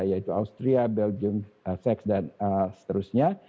yaitu austria belgium sex dan seterusnya